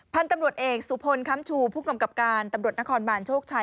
พันธุ์ตำรวจเอกสุพลค้ำชูผู้กำกับการตำรวจนครบานโชคชัย